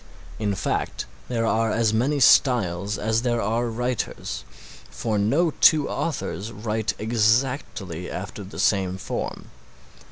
In fact there are as many styles as there are writers, for no two authors write exactly after the same form.